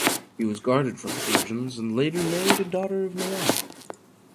He was guarded from the Persians, and later married a daughter of Milon.